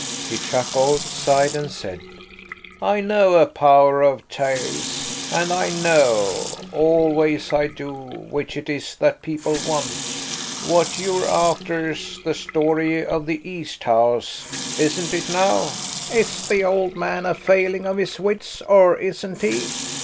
He chuckled, sighed, and said– "I know a power of tales. And I know, always I do, which it is that people want. What you're after's the story of the East House. Isn't it now? Is the old man a failing of his wits, or isn't he?"